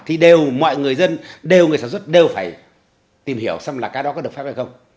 thì đều mọi người dân đều người sản xuất đều phải tìm hiểu xem là cái đó có được phép hay không